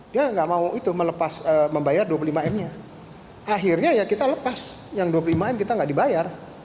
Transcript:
dia nggak mau itu melepas membayar dua puluh lima m nya akhirnya ya kita lepas yang dua puluh lima m kita nggak dibayar